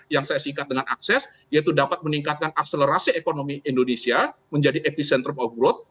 yang saya singkat dengan akses yaitu dapat meningkatkan akselerasi ekonomi indonesia menjadi epicentrum of growth